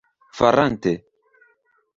farante